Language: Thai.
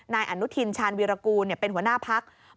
นายอนุทินชาญวีรกูลเป็นหัวหน้าพัก